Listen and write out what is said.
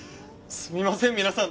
すみません皆さん。